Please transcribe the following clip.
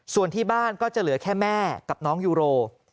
ส่วนที่บ้านก็จะเหลือแค่แม่กับน้องยูโร